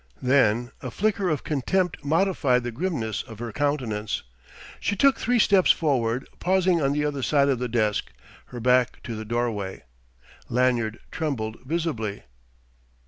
Then a flicker of contempt modified the grimness of her countenance. She took three steps forward, pausing on the other side of the desk, her back to the doorway. Lanyard trembled visibly....